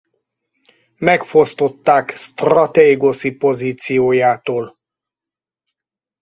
Megfosztották sztratégoszi pozíciójától.